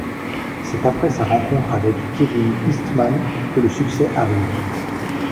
C'est après sa rencontre avec Kevin Eastman que le succès arrive.